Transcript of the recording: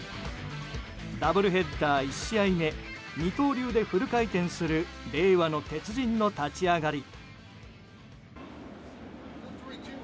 ダブルヘッダー１試合目二刀流でフル回転する令和の鉄人の立ち上がり。